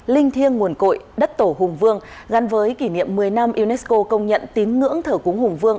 linh thiêng nguồn cội đất tổ hùng vương gắn với kỷ niệm một mươi năm unesco công nhận tín ngưỡng thờ cúng hùng vương